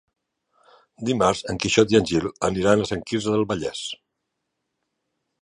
Dimarts en Quixot i en Gil aniran a Sant Quirze del Vallès.